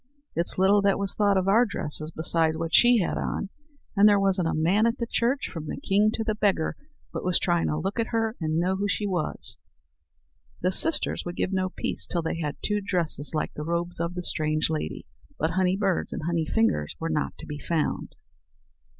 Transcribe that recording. It's little that was thought of our dresses beside what she had on; and there wasn't a man at the church, from the king to the beggar, but was trying to look at her and know who she was." The sisters would give no peace till they had two dresses like the robes of the strange lady; but honey birds and honey fingers were not to be found.